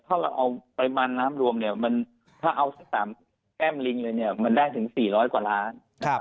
ถ้าเราเอาปริมาณน้ำรวมเนี่ยถ้าเอาสัก๓แก้มลิงเลยเนี่ยมันได้ถึง๔๐๐กว่าล้าน